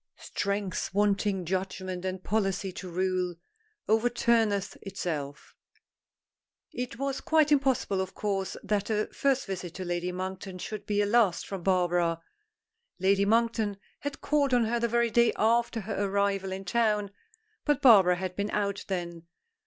"Strength wanting judgment and policy to rule overturneth itself." It was quite impossible, of course, that a first visit to Lady Monkton should be a last from Barbara. Lady Monkton had called on her the very day after her arrival in town, but Barbara had been out then.